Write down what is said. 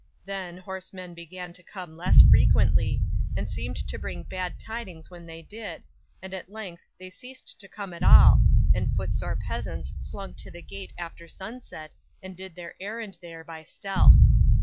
Then, horsemen began to come less frequently, and seemed to bring bad tidings when they did, and at length they ceased to come at all, and footsore peasants slunk to the gate after sunset, and did their errand there, by stealth.